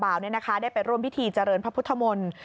อย่างณแอดคาราบาวได้ไปร่วมพิธีเจริญพระพุทธมนตร์